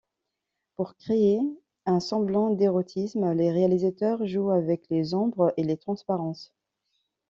Pour créer un semblant d'érotisme, les réalisateurs jouent avec les ombres et les transparences.